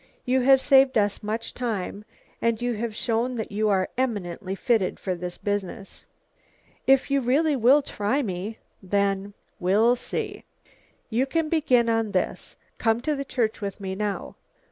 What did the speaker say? You have saved us much time and you have shown that you are eminently fitted for this business." "If you really will try me, then " "We'll see. You can begin on this. Come to the church with me now."